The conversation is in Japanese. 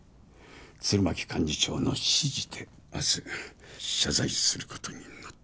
鶴巻幹事長の指示で明日謝罪することになった。